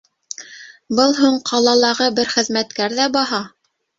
Был һуң ҡалалағы бер хеҙмәткәр ҙә баһа?